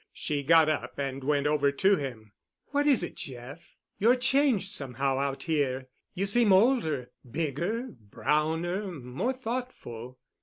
She got up and went over to him. "What is it, Jeff? You're changed somehow out here. You seem older, bigger, browner, more thoughtful."